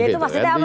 ya itu masih dapat